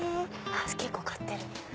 結構買ってる。